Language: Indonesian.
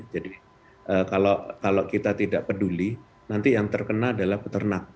jadi kalau kita tidak peduli nanti yang terkena adalah peternak